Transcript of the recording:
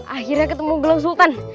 akhirnya ketemu gelang sultan